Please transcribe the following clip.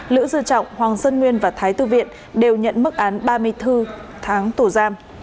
lữ dư trọng hoàng dân nguyên và thái tư viện đều nhận mức án ba mươi thư tháng tù giam